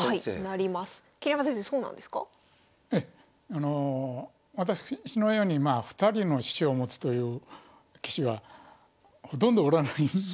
あの私のように２人の師匠を持つという棋士はほとんどおらないと思うんですけどね。